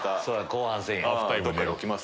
後半戦や。